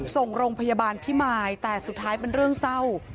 ส่งโรงพยาบาลพิมายแต่สุดท้ายเป็นเรื่องเศร้า